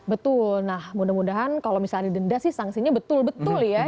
betul nah mudah mudahan kalau misalnya didenda sih sanksinya betul betul ya